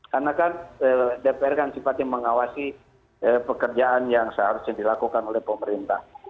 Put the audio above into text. karena kan dpr kan sifatnya mengawasi pekerjaan yang seharusnya dilakukan oleh pemerintah